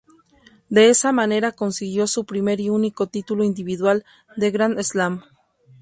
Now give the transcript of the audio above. De esa manera consiguió su primer y único título individual de Grand Slam.